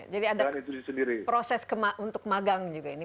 jadi ada proses untuk magang juga ini